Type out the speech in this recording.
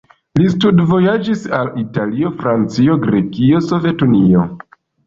Li studvojaĝis al Italio, Francio, Grekio, Sovetunio.